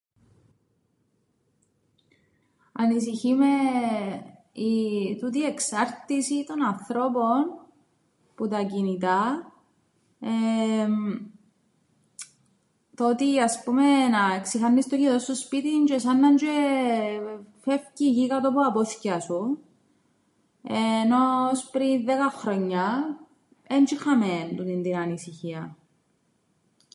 Ανησυχεί με η... τούτη η εξάρτηση των ανθρώπων που τα κινητά, εεεμ το ότι ας πούμεν ξιχάννεις το κινητόν σου σπίτιν τζ̆αι σαν να τζ̆αι φεύκει η γη κάτω που τα πόθκια σου, εεε ενώ ώς πριν δέκα χρόνια έντζ̆' είχαμεν τούτην την ανησυχία.